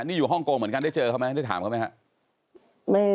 นี่อยู่ฮ่องกงเหมือนกันได้เจอเขาไหมได้ถามเขาไหมครับ